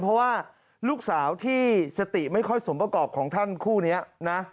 เพราะว่าลูกสาวที่สติไม่ค่อยสมประกอบของท่านคู่นี้นะ